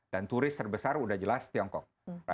dan turis terbesar sudah jelas tiongkok